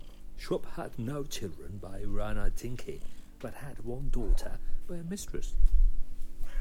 Schwab had no children by Eurana Dinkey, but had one daughter by a mistress.